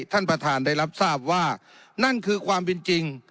ท่านประธานได้รับทราบว่านั่นคือความเป็นจริง